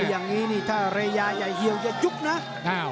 โมยอย่างนี้ถ้าระยะใหญ่เหี่ยวอย่ายุบนะ